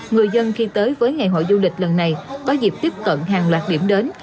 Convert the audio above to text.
người dân khi tới với ngày hội du lịch lần này có dịp tiếp cận hàng loạt điểm đến